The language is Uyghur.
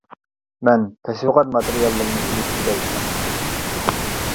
-مەن تەشۋىقات ماتېرىياللىرىنى ئېلىپ كېلەي ئەمىسە!